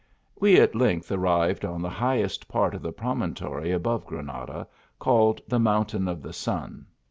We at length arrived on the highest part of the promontory above Granada, called the Mountain of the Sun.